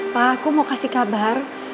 pak aku mau kasih kabar